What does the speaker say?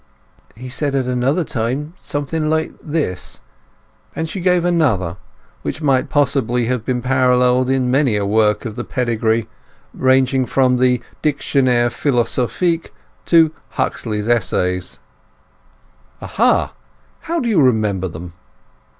"He said at another time something like this"; and she gave another, which might possibly have been paralleled in many a work of the pedigree ranging from the Dictionnaire Philosophique to Huxley's Essays. "Ah—ha! How do you remember them?"